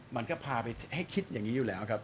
มันก็พาไปให้คิดอย่างนี้อยู่แล้วครับ